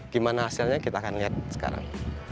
gimana hasilnya kita akan lihat sekarang